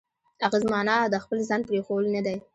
اغېز معنا د خپل ځان پرېښوول نه دی.